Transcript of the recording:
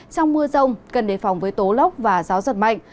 trong mưa rông cần đề phòng với tố lốc và gió giật mạnh